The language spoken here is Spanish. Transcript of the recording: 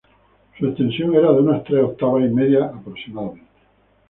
Su extensión era de unas tres octavas y media aproximadamente.